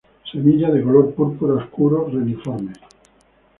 Semillas de color púrpura oscuro, reniformes.